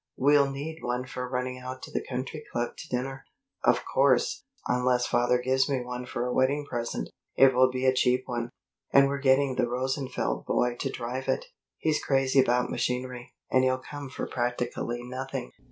We'll need one for running out to the Country Club to dinner. Of course, unless father gives me one for a wedding present, it will be a cheap one. And we're getting the Rosenfeld boy to drive it. He's crazy about machinery, and he'll come for practically nothing."